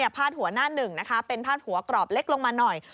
พาดหัวหน้าหนึ่งนะคะเป็นพาดหัวกรอบเล็กลงมาหน่อย